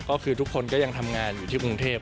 ก็คือทุกคนก็ยังทำงานอยู่ที่กรุงเทพ